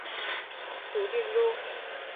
属定州。